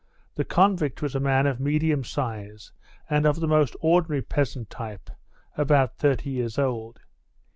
The convict was a man of medium size and of the most ordinary peasant type, about thirty years old.